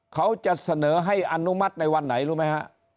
เขาจะเสนอให้อนุมัติในวันไหนรู้ไหมฮะ